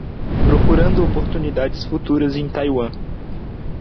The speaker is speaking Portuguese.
Procurando oportunidades futuras em Taiwan